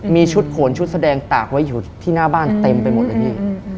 มีชุดโขนชุดแสดงตากไว้อยู่ที่หน้าบ้านเต็มไปหมดเลยพี่